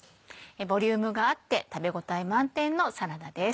ボリュームがあって食べ応え満点のサラダです。